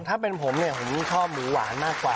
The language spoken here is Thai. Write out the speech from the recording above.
ถ้าเป็นผมเนี่ยผมชอบหมูหวานมากกว่า